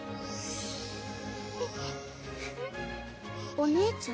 お姉ちゃん？